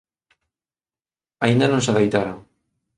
Aínda non se deitaran.